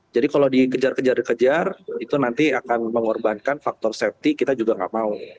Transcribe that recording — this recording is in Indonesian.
jadi kalau dikejar kejar kejar itu nanti akan mengorbankan faktor safety kita juga nggak mau